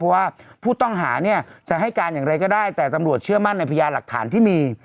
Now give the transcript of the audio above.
เพราะว่าผู้ต้องหาเนี่ยจะให้การอย่างไรก็ได้แต่ตำรวจเชื่อมั่นในพยานหลักฐานที่มี